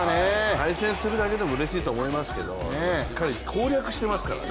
対戦するだけでもうれしいと思いますけどしっかり攻略してますからね。